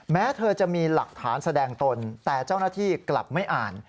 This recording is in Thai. แม้เธอจะมีหลักฐานแสดงตนแต่เจ้าหน้าที่กลับไม่อ่าน